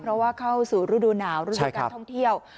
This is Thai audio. เพราะว่าเข้าสู่รูดูหนาวรุ่นทางการท่องเที่ยว